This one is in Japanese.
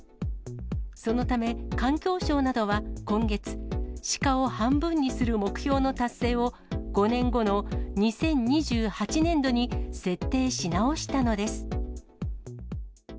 そのため、環境省などは今月、シカを半分にする目標の達成を、５年後の２０２８年度に設定し直したのです。